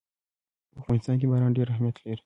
په افغانستان کې باران ډېر اهمیت لري.